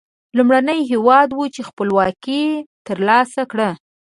لومړنی هېواد و چې خپلواکي تر لاسه کړه.